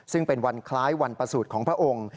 ซึ่งเป็นวันคล้ายวันประสูจน์ของพระองค์